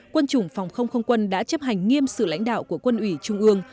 quân chủng phòng không không quân đã chấp hành nghiêm sự lãnh đạo của quân ủy trung ương